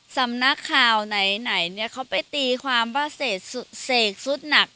สำนักข่าวไหนเนี่ยเขาไปตีความว่าเสกสุดหนัก